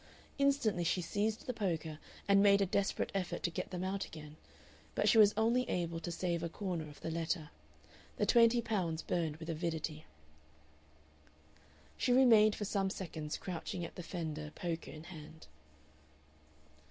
Instantly she seized the poker and made a desperate effort to get them out again. But she was only able to save a corner of the letter. The twenty pounds burned with avidity. She remained for some seconds crouching at the fender, poker in hand.